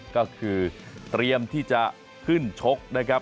ก็คือเตรียมที่จะขึ้นชกนะครับ